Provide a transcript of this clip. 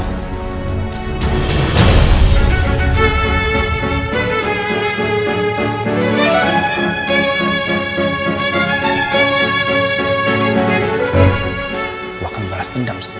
gue akan membalas dendam